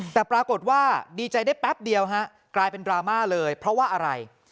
แต่ปรากฏว่าดีใจได้แป๊บเดียวฮะกลายเป็นดราม่าเลยเพราะว่าอะไร